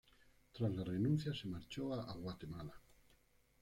Tras la renuncia se marchó a Guatemala.